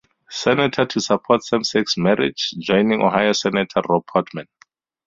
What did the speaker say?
Senator to support same-sex marriage, joining Ohio Senator Rob Portman.